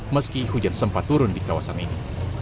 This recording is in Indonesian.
meski hujan sempat turun di kawasan ini